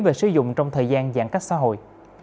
về sử dụng trong thời gian giãn cách xã hội